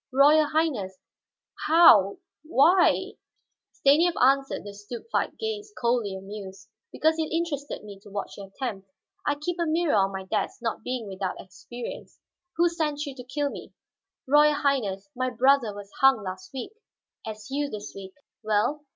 "Royal Highness, how why " Stanief answered the stupefied gaze, coldly amused. "Because it interested me to watch your attempt. I keep a mirror on my desk, not being without experience. Who sent you to kill me?" "Royal Highness, my brother was hung last week." "As you this week. Well?"